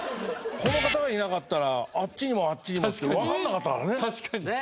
この方がいなかったらあっちにもあっちにもってわかんなかったからね。